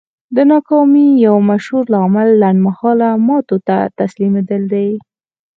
د ناکامۍ يو مشهور لامل لنډ مهاله ماتو ته تسليمېدل دي.